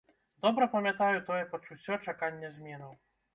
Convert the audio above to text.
Добра памятаю тое пачуццё чакання зменаў.